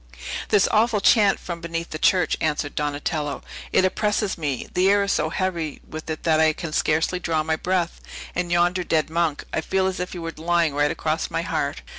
"This awful chant from beneath the church," answered Donatello; "it oppresses me; the air is so heavy with it that I can scarcely draw my breath. And yonder dead monk! I feel as if he were lying right across my heart."